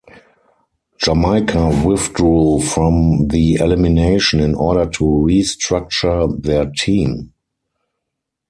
Jamaica withdrew from the elimination in order to restructure their team.